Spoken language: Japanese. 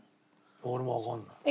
俺もわかんない。